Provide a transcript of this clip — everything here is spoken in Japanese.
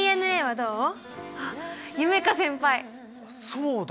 そうだ！